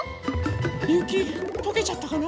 ゆきとけちゃったかな？